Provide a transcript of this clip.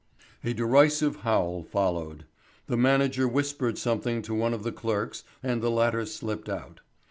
A derisive howl followed. The manager whispered something to one of the clerks and the latter slipped out.